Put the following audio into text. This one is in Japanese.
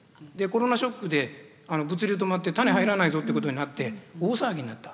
コロナショックで物流止まって「種入らないぞ」ってことになって大騒ぎになった。